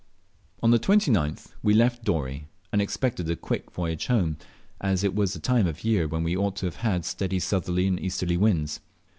On the 29th we left Dorey, and expected a quick voyage home, as it was the time of year when we ought to have had steady southerly and easterly winds.